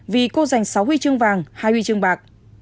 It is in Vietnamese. vì cô giành sáu huy chương vàng hai huy chương bạc